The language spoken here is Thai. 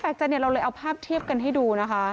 แปลกจากนี้เราเลยเอาภาพเทียบกันให้ดูนะคะ